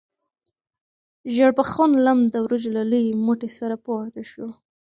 ژیړبخون لم د وریجو له لوی موټي سره پورته شو.